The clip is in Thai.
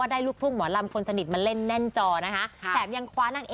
ได้ลูกทุ่มหมอรำคนสนิทมาเล่นแน่นจอนะคะ